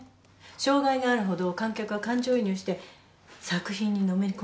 障害があるほど観客は感情移入して作品にのめりこんでいく。